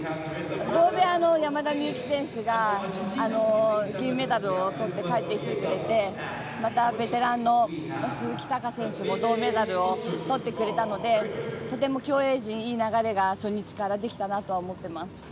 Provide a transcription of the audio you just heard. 同部屋の山田美幸選手が銀メダルをとって帰ってきてくれてまた、ベテランの鈴木孝幸選手も銅メダルをとってくれたのでとても競泳陣、いい流れが初日からできたなと思っています。